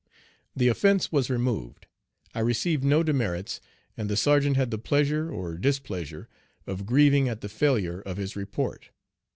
The offence was removed. I received no demerits, and the sergeant had the pleasure or displeasure of grieving at the failure of his report.